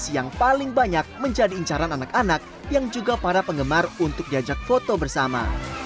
yang paling banyak menjadi incaran anak anak yang juga para penggemar untuk diajak foto bersama